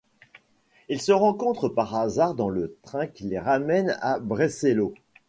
Ils se rencontrent par hasard dans le train qui les ramène à Brescello.